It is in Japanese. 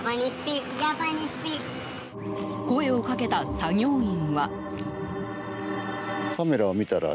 声をかけた作業員は。